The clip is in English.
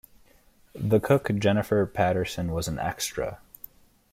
The cook Jennifer Paterson was an extra.